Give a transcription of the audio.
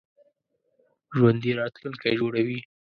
ژوندي راتلونکی جوړوي